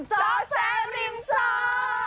เจ้าแจ๊ะริมเจ้า